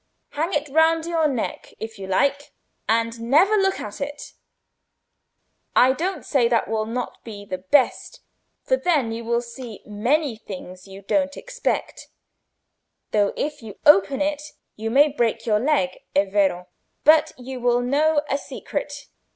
Hang it round your neck if you like, and never look at it; I don't say that will not be the best, for then you will see many things you don't expect: though if you open it you may break your leg, è vero, but you will know a secret!